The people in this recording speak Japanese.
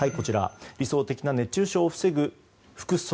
理想的な熱中症を防ぐ服装。